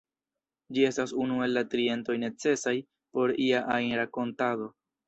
Ĝi estas unu el la tri entoj necesaj por ia ajn rakontado.